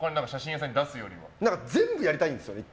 １回全部やりたいんですよね。